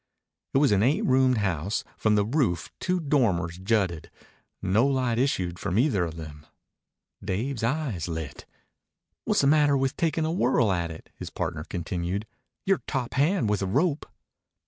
It was an eight roomed house. From the roof two dormers jutted. No light issued from either of them. Dave's eyes lit. "What's the matter with takin' a whirl at it?" his partner continued. "You're tophand with a rope."